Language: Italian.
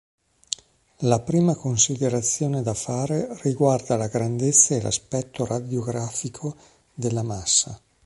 La prima considerazione da fare riguarda la grandezza e l'aspetto radiografico della massa.